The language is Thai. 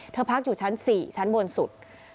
พักอยู่ชั้น๔ชั้นบนสุด